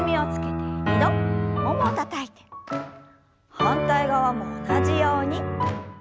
反対側も同じように。